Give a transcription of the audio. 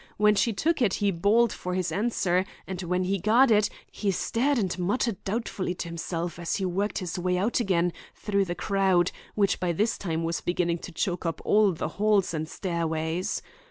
When she took it he bawled for his answer, and when he got it, he stared and muttered doubtfully to himself as he worked his way out again through the crowd, which by this time was beginning to choke up all the halls and stairways.